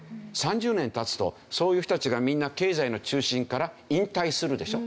３０年経つとそういう人たちがみんな経済の中心から引退するでしょ。